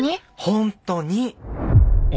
ホントに。